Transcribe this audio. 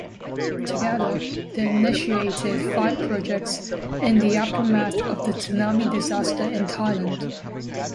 Together, they initiated five projects in the aftermath of the tsunami disaster in Thailand.